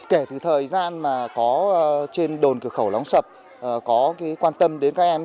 kể từ thời gian mà có trên đồn cửa khẩu lóng sập có quan tâm đến các em